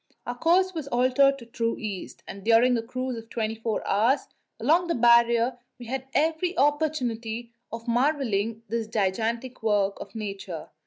Our course was altered to true east, and during a cruise of twenty four hours along the Barrier we had every opportunity of marvelling at this gigantic work of Nature.